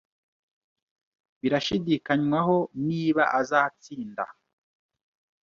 Birashidikanywaho niba azatsinda.